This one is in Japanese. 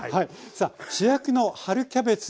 さあ主役の春キャベツ